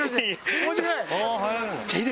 申し訳ない。